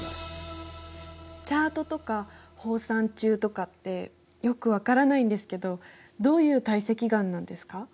チャートとかホーサンチューとかってよく分からないんですけどどういう堆積岩なんですか？